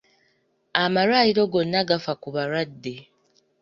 Amalwaliro gonna gafa ku balwadde.